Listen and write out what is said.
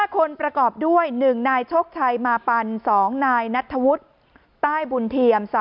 ๕คนประกอบด้วย๑นายโชคชัยมาปัน๒นายนัทธวุฒิใต้บุญเทียม